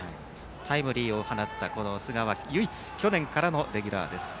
タイムリーを放った寿賀は唯一、去年からのレギュラーです。